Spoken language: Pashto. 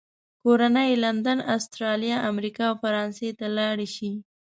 کورنۍ یې لندن، استرالیا، امریکا او فرانسې ته لاړې شي.